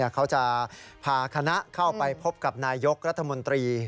เขาจะพาคณะเข้าไปพบกับนายยกรัฐมนตรี